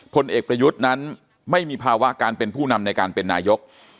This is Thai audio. ผลเอกประยุทธ์นั้นไม่มีภาวะการเป็นผู้นำในการเป็นนายก